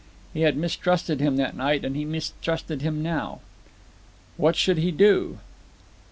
He had mistrusted him that night, and he mistrusted him now. What should he do?